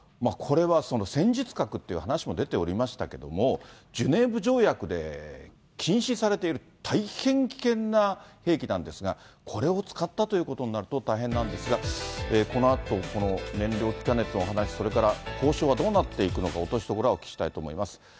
これは戦術核という話も出ておりましたけれども、ジュネーブ条約で禁止されている、大変危険な兵器なんですが、これを使ったということになると、大変なんですが、このあと、この燃料気化熱の話、それから交渉はどうなっていくのか、落としどころをお聞きしたいと思います。